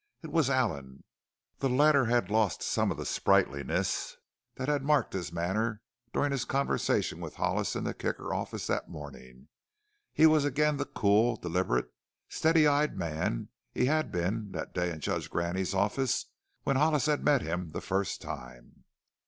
It was Allen. The latter had lost some of the sprightliness that had marked his manner during his conversation with Hollis in the Kicker office that morning he was again the cool, deliberate, steady eyed man he had been that day in Judge Graney's office when Hollis had met him the first time.